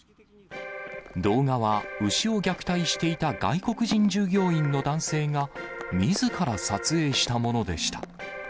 動画は牛を虐待していた外国人従業員の男性が、みずから撮影したものでした。